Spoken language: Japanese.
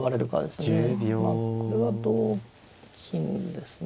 まあこれは同金ですね。